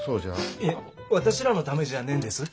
いえ私らのためじゃねえんです。